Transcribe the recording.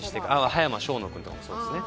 葉山奨之君とかもそうですね。